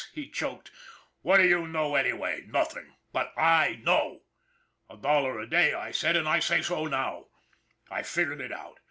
" he choked. " What do you know, anyway? Nothing! But I know! A dollar a day I said, and I say so now. I figured it out.